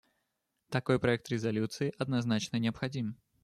Такой проект резолюции однозначно необходим.